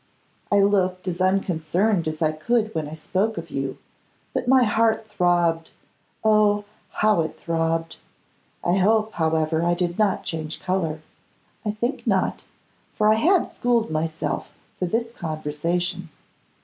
I looked as unconcerned as I could when I spoke of you, but my heart throbbed, oh! how it throbbed! I hope, however, I did not change colour; I think not; for I had schooled myself for this conversation.